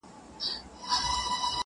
o د خپل ژوند عکس ته گوري.